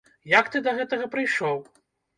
Як ты да гэтага прыйшоў?